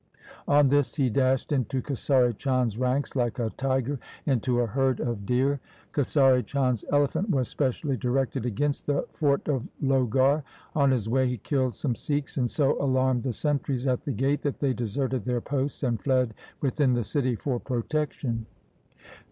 On this he dashed into Kesari Chand's ranks like a tiger into a herd of deer. Kesari Chand's elephant was specially directed against the fort of Lohgarh. On his way he killed some Sikhs, and so alarmed the sentries at the gate, that they deserted their posts and fled within the city for protection.